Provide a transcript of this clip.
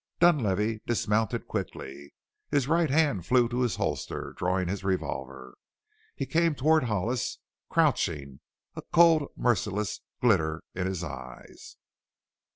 Dunlavey dismounted quickly, his right hand flew to his holster, drawing his revolver. He came toward Hollis crouching, a cold, merciless glitter in his eyes.